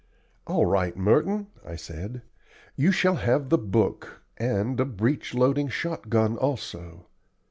"All right, Merton," I said: "you shall have the book and a breech loading shot gun also.